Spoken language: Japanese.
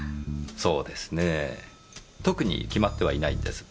そうですねぇ特に決まってはいないんです。